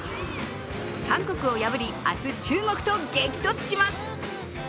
韓国を破り、明日、中国と激突します。